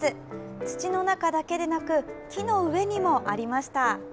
土の中だけでなく木の上にもありました。